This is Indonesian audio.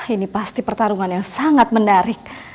ini pasti pertarungan yang sangat menarik